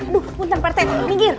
aduh pun terperte minggir